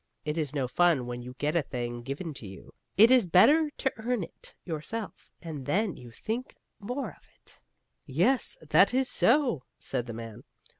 It is no fun when you get a thing given to you. It is better to earn it yourself, and then you think more of it." "Yes, that is so," said the man.